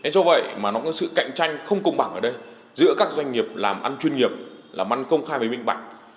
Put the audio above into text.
do vậy mà nó có sự cạnh tranh không công bằng ở đây giữa các doanh nghiệp làm ăn chuyên nghiệp làm ăn công khai và minh bạch